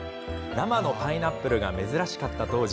生のパイナップルが珍しかった当時。